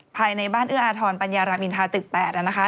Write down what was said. ภายในบ้านเอื้ออาทรปัญญารามอินทาตึก๘นะคะ